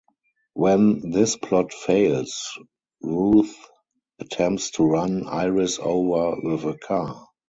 When this plot fails, Ruth attempts to run Iris over with a car.